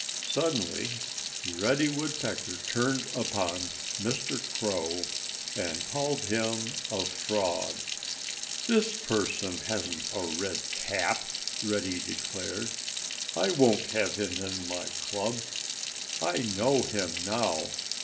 Suddenly Reddy Woodpecker turned upon Mr. Crow and called him a fraud. "This person hasn't a red cap," Reddy declared. "I won't have him in my club. I know him now.